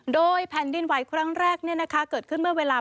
โดยแผ่นดินไหวครั้งแรกเกิดขึ้นเมื่อเวลา